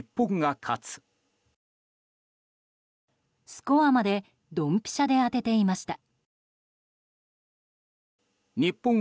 スコアまでドンピシャで当てていました。